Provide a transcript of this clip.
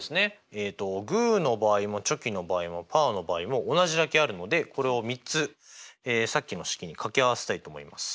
えっとグーの場合もチョキの場合もパーの場合も同じだけあるのでこれを３つさっきの式に掛け合わせたいと思います。